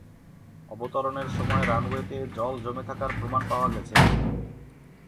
অবতরণের সময় রানওয়েতে জল জমে থাকার প্রমাণ পাওয়া গেছে।